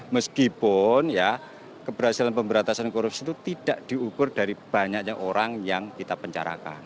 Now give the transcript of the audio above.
meskipun ya keberhasilan pemberantasan korupsi itu tidak diukur dari banyaknya orang yang kita pencarakan